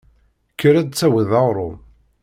Kker ad d-tawiḍ aɣrum!